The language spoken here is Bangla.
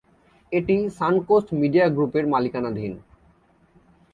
এটি সান কোস্ট মিডিয়া গ্রুপের মালিকানাধীন।